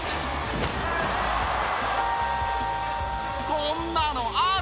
「こんなのあり！？」